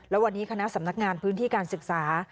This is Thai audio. และวันนี้คณะสำนักงานพื้นที่การศึกษา